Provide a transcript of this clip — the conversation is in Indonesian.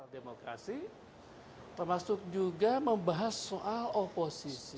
demokrasi termasuk juga membahas soal oposisi